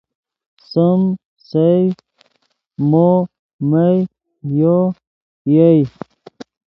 سیم، سئے، مو، مئے، یو، یئے